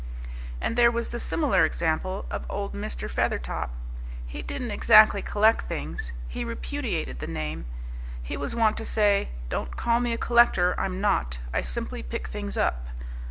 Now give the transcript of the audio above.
And there was the similar example of old Mr. Feathertop. He didn't exactly collect things; he repudiated the name. He was wont to say, "Don't call me a collector, I'm not. I simply pick things up.